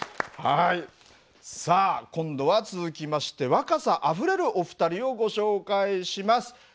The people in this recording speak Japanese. さあ今度は続きまして若さあふれるお二人をご紹介します。